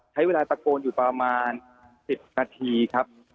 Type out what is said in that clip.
ใช้เวลาตะโกนอยู่ประมาณ๑๐นาทีครับ